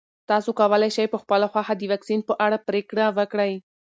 تاسو کولی شئ په خپله خوښه د واکسین په اړه پرېکړه وکړئ.